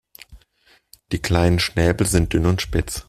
Die kleinen Schnäbel sind dünn und spitz.